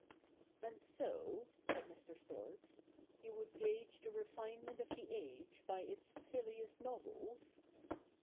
' And so,' said Mr. Storks, ' you would gauge the refinement of the age by its silliest novels